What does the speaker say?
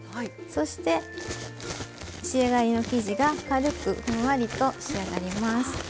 そして仕上がりの生地が軽くふんわりと仕上がります。